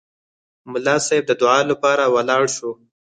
ملا صیب د دعا لپاره ولاړ شو.